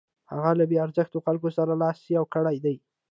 هغه له بې ارزښتو خلکو سره لاس یو کړی دی.